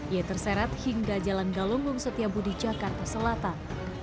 ia terseret hingga jalan galunggung setiabudi jakarta selatan